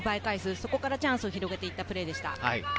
そこからチャンスを広げていったプレーでした。